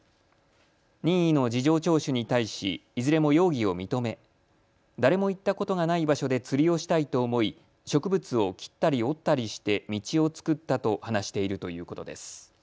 任意の事情聴取に対しいずれも容疑を認め誰も行ったことがない場所で釣りをしたいと思い植物を切ったり折ったりして道を作ったと話しているということです。